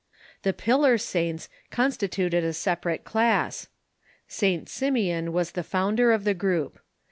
The Pillar Saints constituted a separate class. St. Simeon Avas the founder of the group.